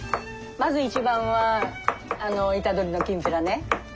まず一番はイタドリのきんぴらね。